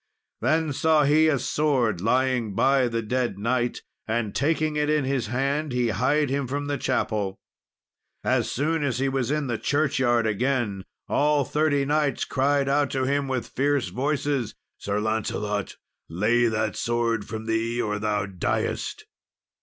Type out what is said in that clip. Then saw he a sword lying by the dead knight, and taking it in his hand, he hied him from the chapel. As soon as he was in the churchyard again, all the thirty knights cried out to him with fierce voices, "Sir Lancelot! lay that sword from thee, or thou diest!"